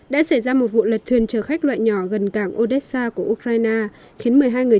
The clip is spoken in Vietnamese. đã xảy ra một vụ lật thuyền chở khách loại nhỏ gần cảng odessa của ukraine khiến một mươi hai người